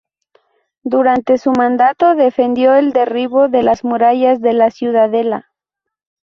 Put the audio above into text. Durante su mandato defendió el derribo de las murallas de la Ciudadela.